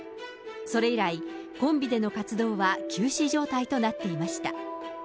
それ以来、コンビでの活動は休止状態となっていました。